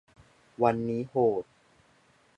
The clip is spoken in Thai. วันนี้โหด